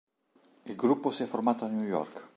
Il gruppo si è formato a New York.